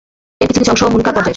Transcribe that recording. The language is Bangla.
এর কিছু কিছু অংশ মুনকার পর্যায়ের।